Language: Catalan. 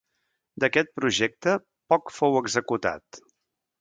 D'aquest projecte poc fou executat.